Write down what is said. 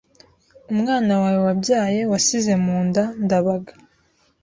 umwana wawe wabyaye, wasize mu nda, Ndabaga